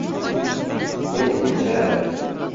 Meni kechir